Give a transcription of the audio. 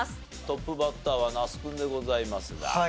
トップバッターは那須君でございますが。